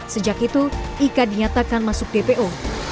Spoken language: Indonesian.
sejak itu ika dinyatakan masuk dpo